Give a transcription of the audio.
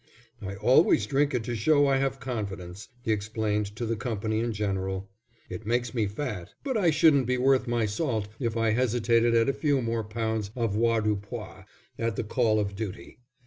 "I always drink it to show I have confidence," he explained to the company in general. "It makes me fat, but I shouldn't be worth my salt if I hesitated at a few more pounds avoirdupois at the call of duty.